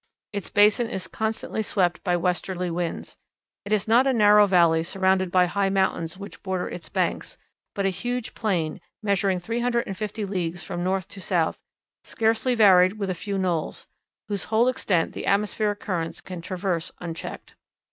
Its basin is constantly swept by westerly winds. It is not a narrow valley surrounded by high mountains which border its banks, but a huge plain, measuring three hundred and fifty leagues from north to south, scarcely varied with a few knolls, whose whole extent the atmospheric currents can traverse unchecked.